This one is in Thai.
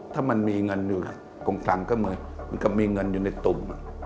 ถ้ามันมีเงินอยู่กงก็มีมันก็มีเงินอยู่ในตุ่ม